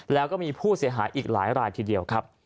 แล้วก็มีผู้เสียหายอีกหลายรายทีเดียวครับ